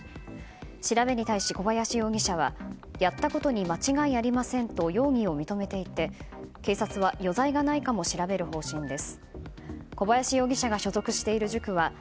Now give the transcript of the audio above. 調べに対し小林容疑者はやったことに間違いありませんと容疑を認めていて警察は余罪がないかも調べる方針です。